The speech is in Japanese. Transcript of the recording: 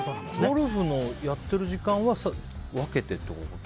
ゴルフもやっている時間は分けてということ？